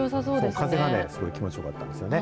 風がすごい気持ちよかったですね。